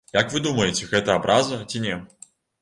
Як вы думаеце, гэта абраза, ці не?